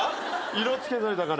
色つけといたから。